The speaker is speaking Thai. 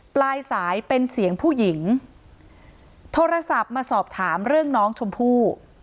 ปลายสายเป็นเสียงผู้หญิงโทรศัพท์มาสอบถามเรื่องน้องชมพู่